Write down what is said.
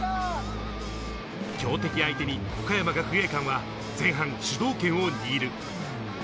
強敵相手に岡山学芸館は前半、主導権を握る。